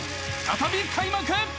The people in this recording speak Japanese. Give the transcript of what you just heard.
再び開幕］